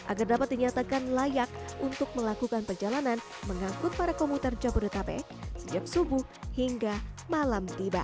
agar dapat dinyatakan layak untuk melakukan perjalanan mengangkut para komuter jabodetabek sejak subuh hingga malam tiba